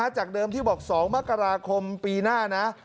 จากเดิมที่บอก๒มกราคมปีหน้านะ